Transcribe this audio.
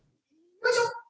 よいしょ！